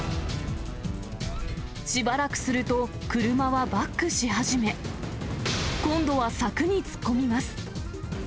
しばらくすると、車はバックし始め、今度は柵に突っ込みます。